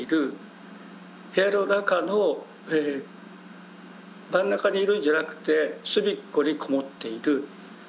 部屋の中の真ん中にいるんじゃなくて隅っこに籠もっている。